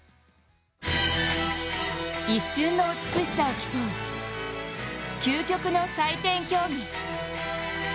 一瞬の美しさを競う究極の採点競技。